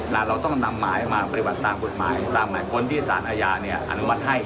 เราต้องนำหมายมาปฏิบัติตามกฎหมายตามหมายค้นที่สารอาญาเนี่ยอนุมัติให้